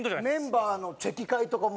メンバーのチェキ会とかも。